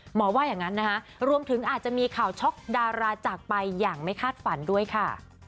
ว่าอย่างนั้นนะคะรวมถึงอาจจะมีข่าวช็อกดาราจากไปอย่างไม่คาดฝันด้วยค่ะ